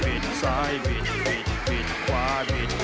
ปิดซ้ายปิดปิดขวา